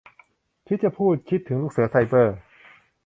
คิดจะพูด คิดถึงลูกเสือไซเบอร์